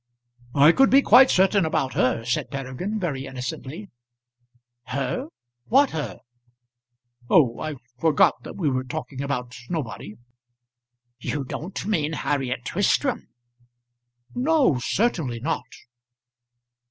"I could be quite certain about her," said Peregrine, very innocently. "Her! what her?" "Oh, I forgot that we were talking about nobody." "You don't mean Harriet Tristram?" "No, certainly not."